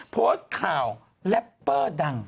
โพสต์ข่าวแล็ปเปอร์ดัง